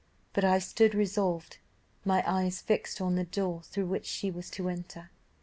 But I stood resolved; my eyes fixed on the door through which she was to enter.